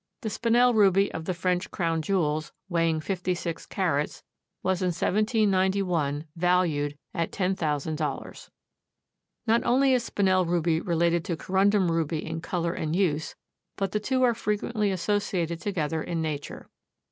The Spinel ruby of the French crown jewels, weighing 56 carats, was in 1791 valued at ten thousand dollars. Not only is Spinel ruby related to corundum ruby in color and use, but the two are frequently associated together in nature.